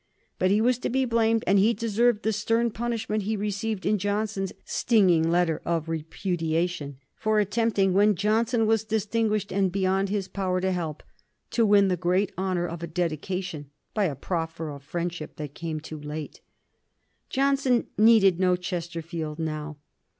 But he was to be blamed, and he deserved the stern punishment he received in Johnson's stinging letter of repudiation, for attempting, when Johnson was distinguished and beyond his power to help, to win the great honor of a dedication by a proffer of friendship that came too late. Johnson needed no Chesterfield now.